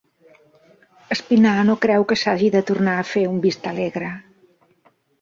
Espinar no creu que s'hagi de tornar a fer un Vistalegre